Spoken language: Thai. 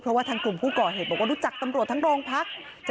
เพราะว่าทางกลุ่มผู้ก่อเหตุบอกว่ารู้จักตำรวจทั้งโรงพัก